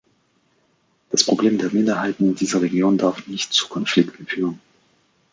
Das Problem der Minderheiten in dieser Region darf nicht zu Konflikten führen.